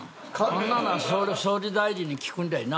そんなのは総理大臣に聞くんだよな。